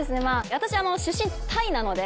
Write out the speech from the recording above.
私出身タイなので。